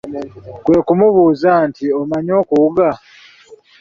Kwe kumubuuza nti, omanyi okuwuga?